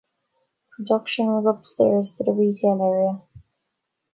Production was upstairs to the retail area.